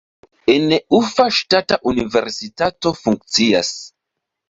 En Ufa ŝtata universitato funkcias.